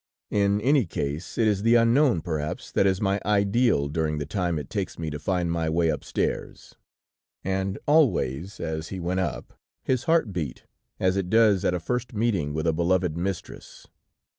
In any case, it is the unknown, perhaps, that is my ideal during the time it takes me to find my way upstairs;" and always as he went up, his heart beat, as it does at a first meeting with a beloved mistress.